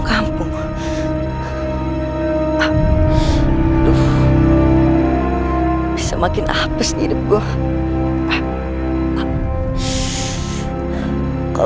jangan jangan jangan